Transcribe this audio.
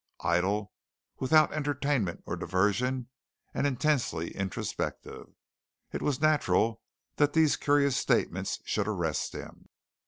Idle, without entertainment or diversion and intensely introspective, it was natural that these curious statements should arrest him.